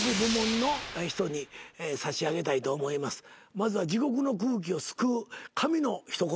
まずは地獄の空気を救う神の一言